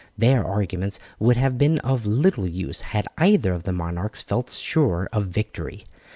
Their arguments would have been but of little use had either of the monarchs felt sure of victory.